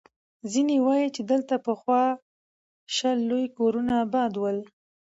ځيني وایي، چې دلته پخوا شل لوی کورونه اباد ول.